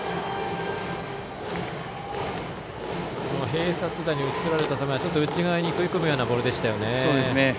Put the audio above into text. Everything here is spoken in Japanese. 併殺打に打ち取られた球は内側に食い込むようなボールでしたよね。